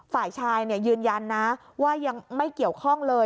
ฝ่ายชายยืนยันนะว่ายังไม่เกี่ยวข้องเลย